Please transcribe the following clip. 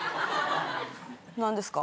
何ですか？